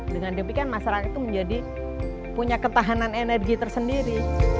dengan demikian masyarakat itu menjadi punya ketahanan energi tersendiri